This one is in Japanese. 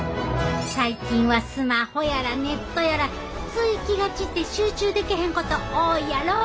最近はスマホやらネットやらつい気が散って集中でけへんこと多いやろ。